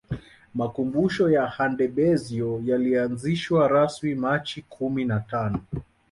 Makubusho ya Handebezyo yalianzishwa rasmi Machi kumi na tano